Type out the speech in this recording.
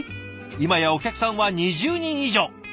今やお客さんは２０人以上！